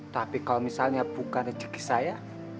tapi kalau misalnya bukan rezeki saya